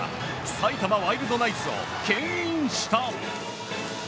埼玉ワイルドナイツを牽引した。